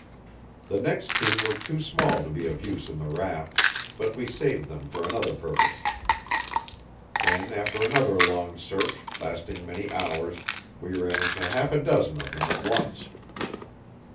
The next two were too small to be of use in the raft, but we saved them for another purpose. Then, after another long search, lasting many hours, we ran into half a dozen of them at once.